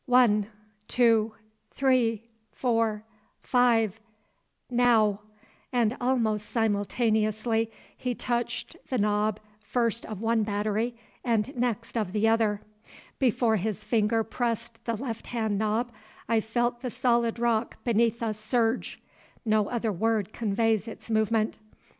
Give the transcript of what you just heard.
"One, two, three, four, five—now!" and almost simultaneously he touched the knob first of one battery and next of the other. Before his finger pressed the left hand knob I felt the solid rock beneath us surge—no other word conveys its movement.